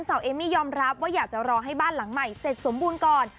เอมมี่ยอมรับว่าอยากจะรอให้บ้านหลังใหม่เสร็จสมบูรณ์ก่อน